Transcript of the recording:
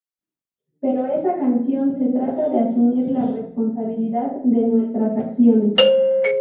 Pero esa canción se trata de asumir la responsabilidad de nuestras acciones.